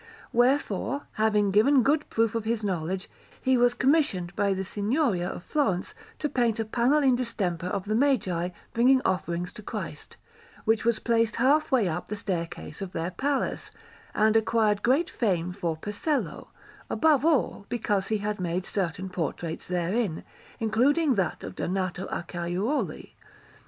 Wherefore, having given good proof of his knowledge, he was commissioned by the Signoria of Florence to paint a panel in distemper of the Magi bringing offerings to Christ, which was placed half way up the staircase of their Palace, and acquired great fame for Pesello, above all because he had made certain portraits therein, including that of Donato Acciaiuoli.